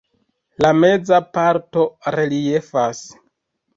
La meza parto reliefas.